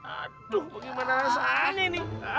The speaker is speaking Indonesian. aduh bagaimana rasanya nih